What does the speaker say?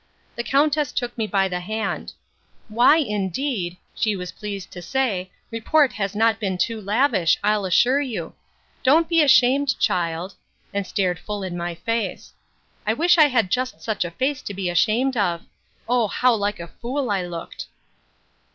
The countess took me by the hand: Why, indeed, she was pleased to say, report has not been too lavish, I'll assure you. Don't be ashamed, child; (and stared full in my face;) I wish I had just such a face to be ashamed of. O how like a fool I looked!